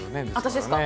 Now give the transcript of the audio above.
私ですか？